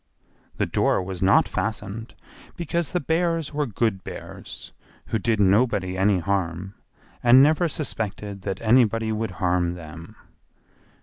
The door was not fastened, because the bears were good bears, who did nobody any harm, and never suspected that anybody would harm them.